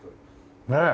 ねえ。